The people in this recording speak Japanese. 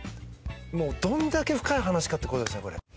もうどれだけ深い話かって事ですねこれ。